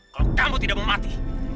kalau kamu tidak memati